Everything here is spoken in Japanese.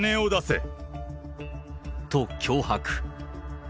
と、脅迫。